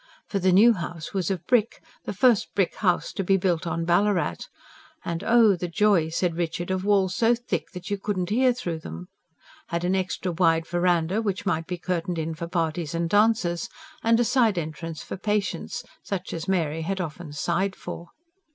For the new house was of brick, the first brick house to be built on Ballarat (and oh the joy! said Richard, of walls so thick that you could not hear through them), had an extra wide verandah which might be curtained in for parties and dances, and a side entrance for patients, such as Mary had often sighed for.